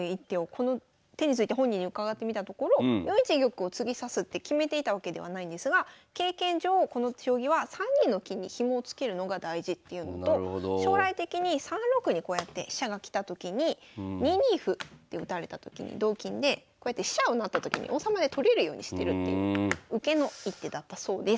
この手について本人に伺ってみたところ４一玉を次指すって決めていたわけではないんですが経験上この将棋は３二の金にヒモをつけるのが大事っていうのと将来的に３六にこうやって飛車が来たときに２二歩って打たれたときに同金でこうやって飛車を成ったときに王様で取れるようにしてるっていう受けの一手だったそうです。